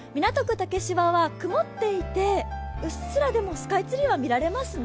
竹芝は曇っていて、うっすらスカイツリーが見えますね。